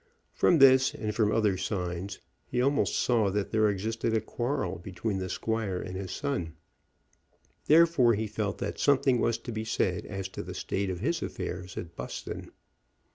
From this and from other signs he almost saw that there existed a quarrel between the squire and his son. Therefore he felt that something was to be said as to the state of his affairs at Buston.